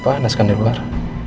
apaan panas kan di luar